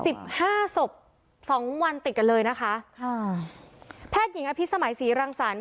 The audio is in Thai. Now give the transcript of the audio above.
สิบห้าศพสองวันติดกันเลยนะคะค่ะแพทย์หญิงอภิษมัยศรีรังสรรค